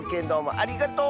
ありがとう！